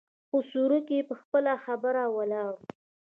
خو سورکی په خپله خبره ولاړ و.